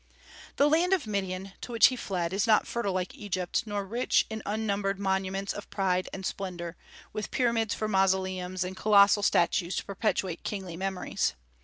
The land of Midian, to which he fled, is not fertile like Egypt, nor rich in unnumbered monuments of pride and splendor, with pyramids for mausoleums, and colossal statues to perpetuate kingly memories.